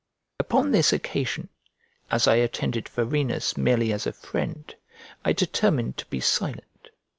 Upon this occasion, as I attended Varenus merely as a friend, I determined to be silent.